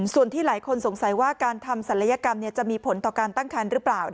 ส่วนที่หลายคนสงสัยว่าการทำศัลยกรรมจะมีผลต่อการตั้งคันหรือเปล่า